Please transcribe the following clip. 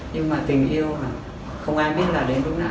nhưng mà tình yêu mà không ai biết là đến lúc nào